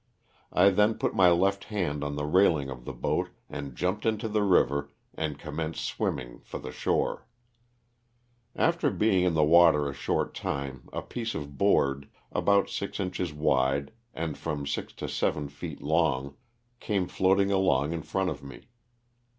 I then put my left hand on the railing of the boat and jumped into the river and commenced swimming for the shore. After being in the water a short time a piece of board, about six inches wide and from six to seven feet long, came floating along in front of me.